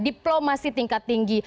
diplomasi tingkat tinggi